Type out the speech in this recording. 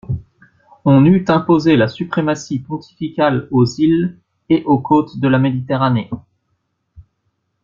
On eût imposé la suprématie pontificale aux îles et aux côtes de la Méditerranée.